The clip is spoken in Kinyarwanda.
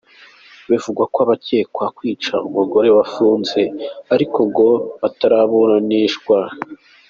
Bivugwa ko abakekwaho kwica umugore bafunze ariko ko ngo bataraburanishwa.